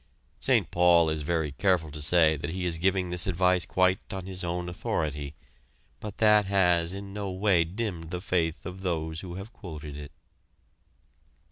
Saint Paul is very careful to say that he is giving this advice quite on his own authority, but that has in no way dimmed the faith of those who have quoted it.